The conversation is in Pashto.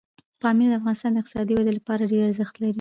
پامیر د افغانستان د اقتصادي ودې لپاره ډېر ارزښت لري.